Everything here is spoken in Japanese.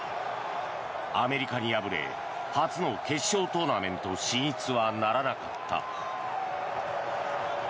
アメリカに敗れ初の決勝トーナメント進出はならなかった。